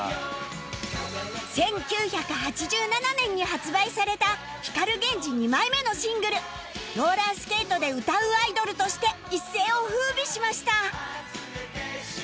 １９８７年に発売された光 ＧＥＮＪＩ２ 枚目のシングルローラースケートで歌うアイドルとして一世を風靡しました